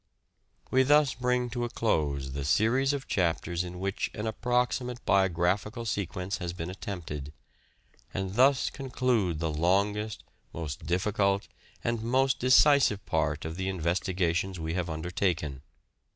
Finishing a We thus bring to a close the series of chapters in which an approximate biographical sequence has been attempted, and thus conclude the longest, most difficult, and most decisive part of the investigations we have undertaken.